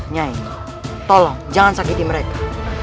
nyai tolong jangan sakiti mereka